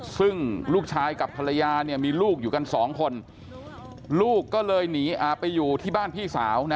ซึ่งลูกชายกับภรรยาเนี่ยมีลูกอยู่กันสองคนลูกก็เลยหนีไปอยู่ที่บ้านพี่สาวนะ